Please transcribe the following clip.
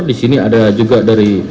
disini ada juga dari